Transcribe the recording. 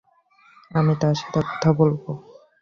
আমি তার সাথে কথা বলবো।